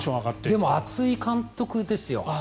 でも熱い監督ですよ。